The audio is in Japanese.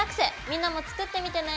みんなも作ってみてね！